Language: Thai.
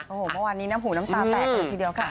โอ้โหวันนี้หูน้ำตาแตกเลยทีเดียวค่ะ